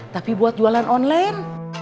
tapi buat jualan online